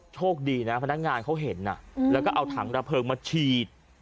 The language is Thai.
โชคดีนะพนักงานเขาเห็นแล้วก็เอาถังระเพลิงมาฉีด